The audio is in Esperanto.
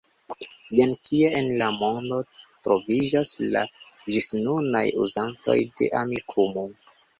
Jen kie en la mondo troviĝas la ĝisnunaj uzantoj de Amikumu.